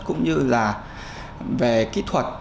cũng như là về kỹ thuật